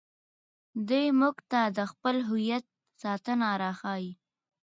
دی موږ ته د خپل هویت ساتنه راښيي.